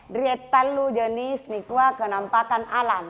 terdapat jenis yang menampak alam